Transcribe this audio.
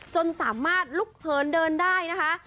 จนสามารถลุกเหินเดินได้นะคะ